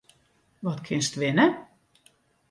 Wat kinst winne?